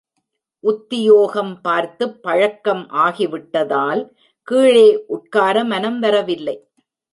உத்தியோகம் பார்த்துப் பழக்கம் ஆகிவிட்டதால் கீழே உட்கார மனம் வரவில்லை.